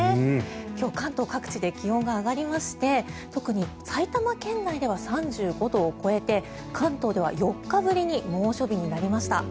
今日、関東各地で気温が上がりまして特に埼玉県内では３５度を超えて関東では４日ぶりに猛暑日になりました。